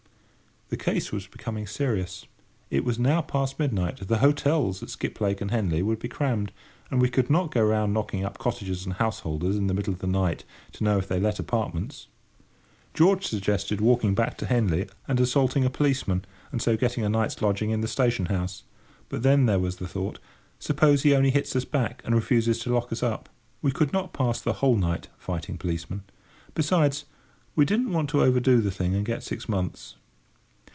The case was becoming serious. it was now past midnight. The hotels at Skiplake and Henley would be crammed; and we could not go round, knocking up cottagers and householders in the middle of the night, to know if they let apartments! George suggested walking back to Henley and assaulting a policeman, and so getting a night's lodging in the station house. But then there was the thought, "Suppose he only hits us back and refuses to lock us up!" We could not pass the whole night fighting policemen. Besides, we did not want to overdo the thing and get six months.